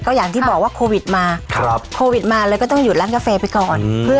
อย่างที่บอกว่าโควิดมาโควิดมาเลยก็ต้องหยุดร้านกาแฟไปก่อน